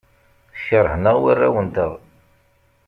Keṛhen-aɣ warraw-nteɣ.